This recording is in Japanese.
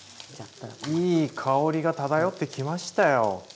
いい香りが漂ってきましたよ。